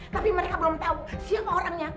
tapi mereka belum tahu siapa orangnya